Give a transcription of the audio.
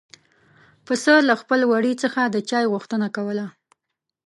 پسه له خپل وړي څخه د چای غوښتنه کوله.